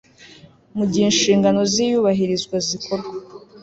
mu gihe inshingano z iyubahirizwa zikorwa